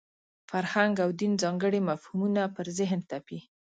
فرهنګ او دین ځانګړي مفهومونه پر ذهن تپي.